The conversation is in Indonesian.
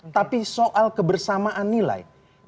tapi soal kebersamaan nilai